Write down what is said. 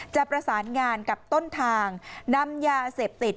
จะประสานงานกับต้นทางนำยาเสพติด